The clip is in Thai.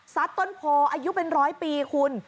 ต้นโพอายุเป็นร้อยปีคุณ